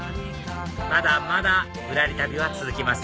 まだまだ『ぶらり旅』は続きます